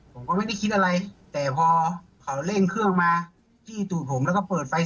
ผมไม่ได้คิดอะไรแต่พอเว้งเครื่องมาให้ผมแล้วก็เปิดไฟ